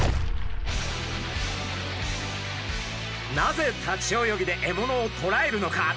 なぜ立ち泳ぎで獲物をとらえるのか？